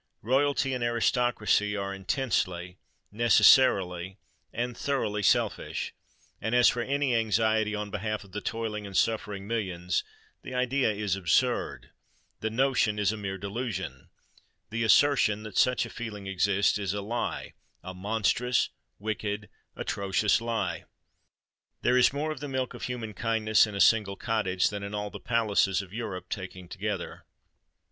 Royalty and Aristocracy are intensely—necessarily—and thoroughly selfish: and as for any anxiety on behalf of the toiling and suffering millions, the idea is absurd—the notion is a mere delusion—the assertion that such a feeling exists, is a lie—a monstrous, wicked, atrocious lie! There is more of the milk of human kindness in a single cottage than in all the palaces of Europe taken together.